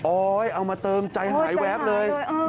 โอ๊ยเอามาเติมใจหายแวบเลยโอ้โฮใจหายด้วย